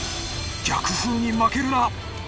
逆風に負けるな！